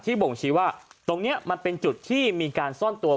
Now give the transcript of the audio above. บ่งชี้ว่าตรงนี้มันเป็นจุดที่มีการซ่อนตัว